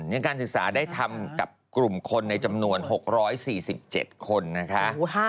ยังการศึกษาได้ทำกับกลุ่มคนในจำนวน๖๔๗คนนะคะ